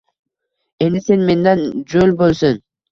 Endi sen mendan jo‘l bo‘lsin